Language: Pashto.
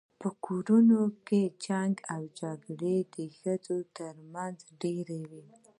په کورونو کي جنګ او جګړه د ښځو تر منځ ډیره وي